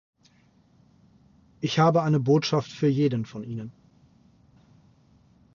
Ich habe eine Botschaft für jeden von Ihnen.